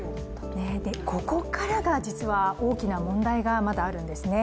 ここからが実は大きな問題がまだあるんですね。